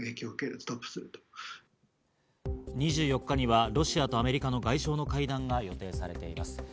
２４日にはロシアとアメリカの外相の会談が予定されています。